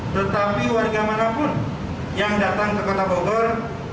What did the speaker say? tetapi warga manapun yang datang ke kota bogor